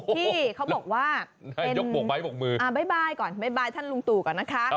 ที่เขาบอกว่าบ๊ายบายก่อนบ๊ายบายท่านลุงตู่ก่อนนะคะ